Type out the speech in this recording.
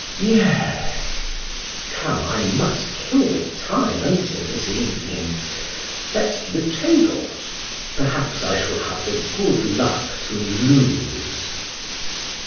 "Yes!... Come, I must kill the time until this evening. Let's to the tables.... Perhaps I shall have the good luck to lose."